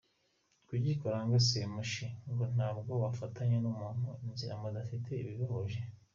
Kuri Karangwa Semushi ngo ntabwo wafatanya n’umuntu inzira mudafite ibibahuje.